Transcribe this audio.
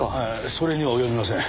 それには及びません。